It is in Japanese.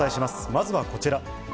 まずはこちら。